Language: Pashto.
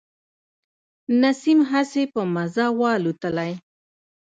نسیم هسي په مزه و الوتلی.